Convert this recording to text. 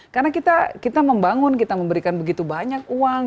karena kita membangun kita memberikan begitu banyak uang